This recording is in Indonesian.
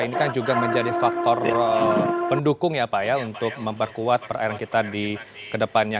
ini kan juga menjadi faktor pendukung ya pak ya untuk memperkuat perairan kita di kedepannya